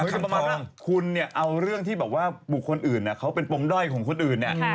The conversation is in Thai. คือคุณเนี่ยเอาเรื่องที่บอกว่าบุคคลอื่นเขาเป็นปมด้อยของคนอื่นเนี่ย